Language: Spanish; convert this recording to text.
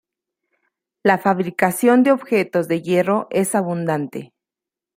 La fabricación de objetos de hierro es abundante.